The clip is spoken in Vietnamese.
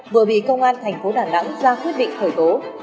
vừa bị công an tp đà nẵng ra quyết định khởi tố